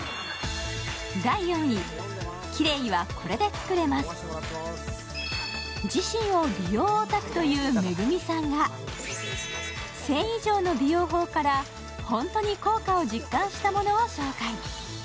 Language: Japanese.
例えば自身を美容オタクというＭＥＧＵＭＩさんが１０００以上の美容法から本当に効果を実感したものを紹介。